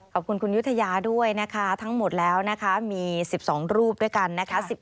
ขอบคุณคุณยุธยาด้วยนะคะทั้งหมดแล้วนะคะมี๑๒รูปด้วยกันนะคะ